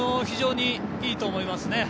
非常にいいと思います。